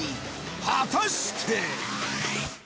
果たして。